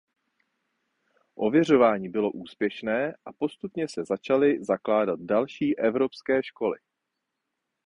Ověřování bylo úspěšné a postupně se začaly zakládat další Evropské školy.